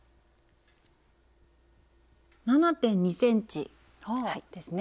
７．２ｃｍですね。